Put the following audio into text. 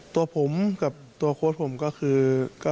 ตัวผมกับตัวโค้ดผมก็คือ